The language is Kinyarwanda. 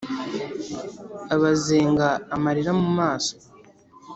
abazenga amarira mu maso.